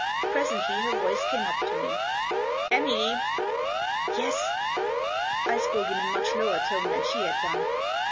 Presently her voice came up to me. " Emily !" "Yes?" I spoke in a much lower tone than she had done.